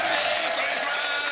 お願いします！